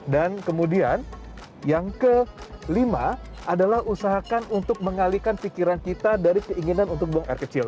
dan kemudian yang kelima adalah usahakan untuk mengalihkan pikiran kita dari keinginan untuk buang air kecil